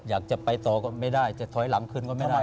อยากจะไปต่อก็ไม่ได้จะถอยหลังคืนก็ไม่ได้